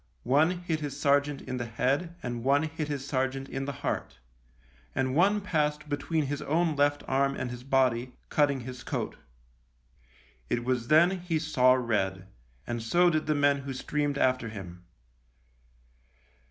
One hit his sergeant in the head and one hit his sergeant in the heart, and one passed between his own left arm and his body, cutting his coat. It was then he saw red, and so did the men who streamed after him.